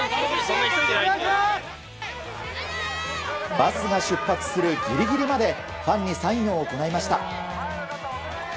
バスが出発するギリギリまでファンにサインを行いました。